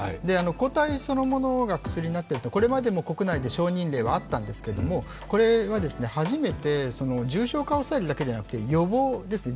抗体そのものが薬になっているものは、これまでも国内で承認例はあったんですけど、これは始めて重症化を抑えるだけでなく予防ですね。